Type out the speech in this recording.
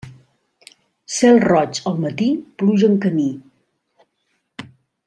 Cel roig al matí, pluja en camí.